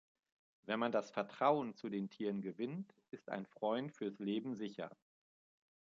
Wenn man das Vertrauen zu den Tieren gewinnt ist ein Freund fürs Leben sicher.